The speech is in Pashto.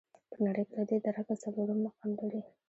په نړۍ کې له دې درکه څلورم مقام لري.